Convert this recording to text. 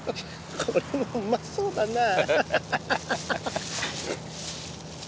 これもうまそうだな。